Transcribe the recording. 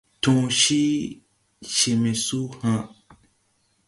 Tõõ cii cee me su ha̧a̧.